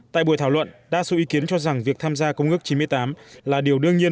tại buổi thảo luận đa số ý kiến cho rằng việc tham gia công ước chín mươi tám là điều đương nhiên